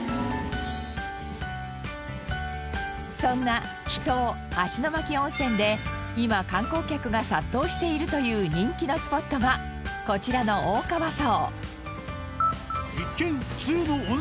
そんな秘湯芦ノ牧温泉で今観光客が殺到しているという人気のスポットがこちらの大川荘。